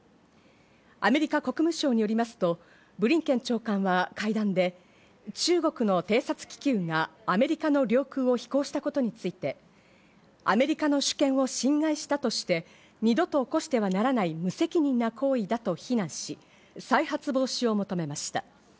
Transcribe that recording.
アメリカ国務省によりますと、ブリンケン長官は会談で、中国の偵察気球がアメリカの領空を飛行したことについて、アメリカの主権を侵害したとして、二度と起こしてはならない無責任な行為だと非難し、再発防止を求めました。